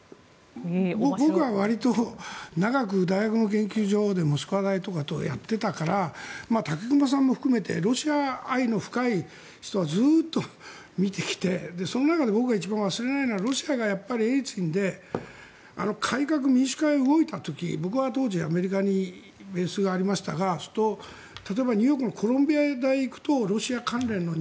僕は割と長く大学の研究所でモスクワ大とかとやってたから武隈さんも含めてロシア愛の深い人はずっと見てきて、その中で僕が一番忘れられないのはロシアのエリツィンが改革民主化に動いた時僕は当時アメリカにいましたが例えばニューヨークのコロンビア大に行くと。